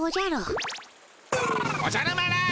おじゃる丸！